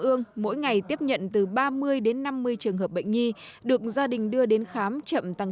ương mỗi ngày tiếp nhận từ ba mươi đến năm mươi trường hợp bệnh nhi được gia đình đưa đến khám chậm tăng